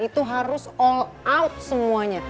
itu harus all out semuanya